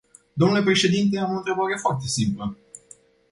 Dle președinte, am o întrebare foarte simplă.